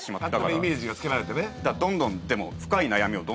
勝手なイメージが付けられてね。